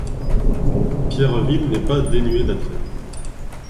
Pierreville n'est pas dénué d'attraits.